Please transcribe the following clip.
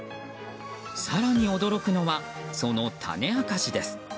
更に、驚くのはそのタネ明かしです。